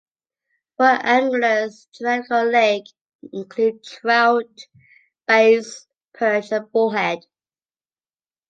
For anglers, Chenango Lake includes trout, bass, perch and bullhead.